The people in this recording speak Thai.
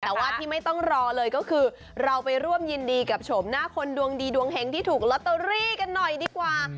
แต่ว่าที่ไม่ต้องรอเลยก็คือเราไปร่วมยินดีกับโฉมหน้าคนดวงดีดวงเห็งที่ถูกลอตเตอรี่กันหน่อยดีกว่า